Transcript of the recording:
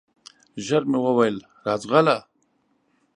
ژر مي وویل ! راځغله